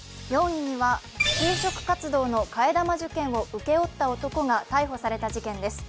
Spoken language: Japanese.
４位には就職活動の替え玉受検を請け負った男が逮捕されたニュースです。